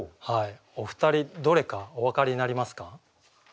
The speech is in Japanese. お二人どれかお分かりになりますか？